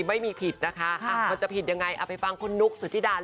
มันจะผิดอย่างไรเอาเฮ้ยไปฟังคนนุ่คสุธิดา